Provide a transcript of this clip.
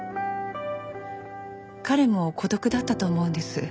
彼も孤独だったと思うんです。